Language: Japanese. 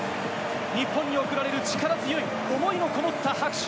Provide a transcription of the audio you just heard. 日本に送られる力強い思いのこもった拍手。